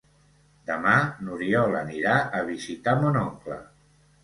Demà n'Oriol anirà a visitar mon oncle.